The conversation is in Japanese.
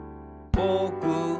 「ぼく」